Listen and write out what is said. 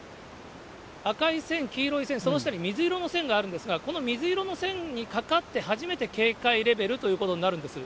赤い線、黄色い線、その下に水色の線があるんですが、この水色の線にかかって初めて警戒レベルということになるんです。